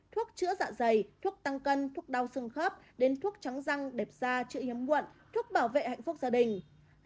thuốc chữa dạ dày thuốc tăng cân thuốc đau xương khớp đến thuốc trắng răng đẹp da chữa hiếm muộn thuốc bảo vệ hạnh phúc gia đình